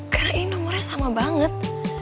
karena ini nomornya sama banget